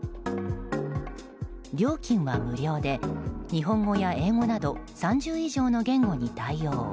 料金は無料で日本語や英語など３０以上の言語に対応。